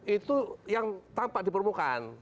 itu yang tampak di permukaan